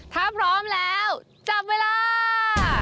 ถ้าพร้อมแล้วจับเวลา